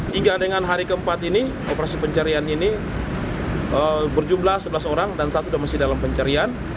hingga dengan hari keempat ini operasi pencarian ini berjumlah sebelas orang dan satu sudah masih dalam pencarian